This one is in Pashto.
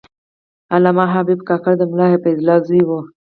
علامه حبیب الله کاکړ د ملا فیض الله زوی و.